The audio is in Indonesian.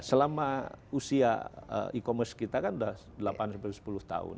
selama usia e commerce kita kan sudah delapan sepuluh tahun